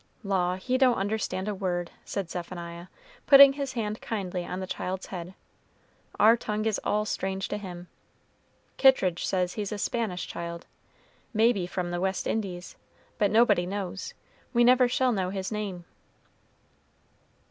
"Law, he don't understand a word," said Zephaniah, putting his hand kindly on the child's head; "our tongue is all strange to him. Kittridge says he's a Spanish child; may be from the West Indies; but nobody knows, we never shall know his name."